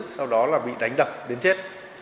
sau đó bị đánh đập đến chết